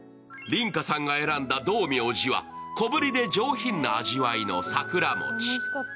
梨花さんが選んだ道明寺は小ぶりで上品な味わいの桜餅。